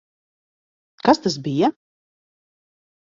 Kas tas bija?